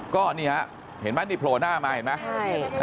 ก็นี่ฮะเห็นไหมนี่โผล่หน้ามาเห็นไหม